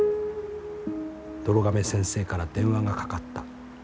どろ亀先生から電話がかかった。